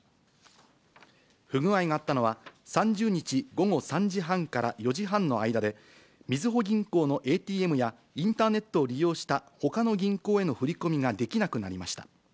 不具合があったのは、３０日午後３時半から４時半の間で、みずほ銀行のＡＴＭや、インターネットを利用した、ほかの銀行への振り込みができなくなりました。